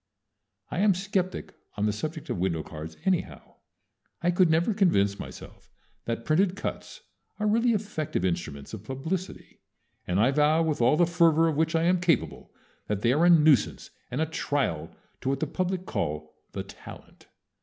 I am skeptic on the subject of window cards anyhow. I could never convince myself that printed cuts are really effective instruments of publicity, and I vow with all the fervor of which I am capable that they are a nuisance and a trial to what the public call "the talent."